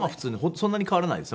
そんなに変わらないですよ。